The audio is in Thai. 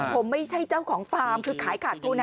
ผมไม่ใช่เจ้าของฟาร์มคือขายขาดทุน